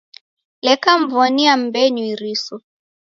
Leka mw'onia m'mbenyu iriso.